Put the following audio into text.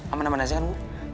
aman aman aja kan